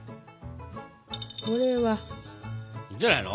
これは！いいんじゃないの？